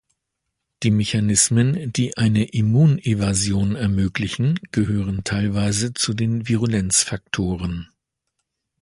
Die Mechanismen, die eine Immunevasion ermöglichen, gehören teilweise zu den Virulenzfaktoren.